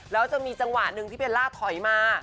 แล้วจะมีจังหวะหนึ่งที่เบลล่าถอยมา